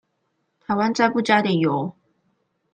台灣再不加點油